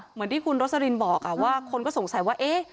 เหมือนที่คุณโรสลินบอกว่าคนก็สงสัยว่าเอ๊ะ